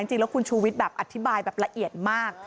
จริงแล้วคุณชูวิทย์แบบอธิบายแบบละเอียดมาก